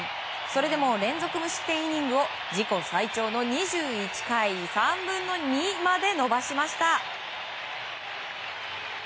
それでも連続無失点イニングを自己最長の２１回３分の２まで伸ばしました。